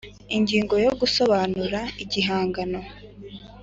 Ingingo yo Gusobanura igihangano